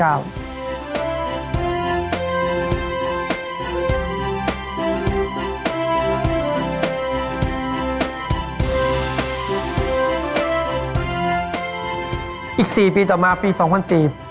อีก๔ปีต่อมาปี๒๐๐๔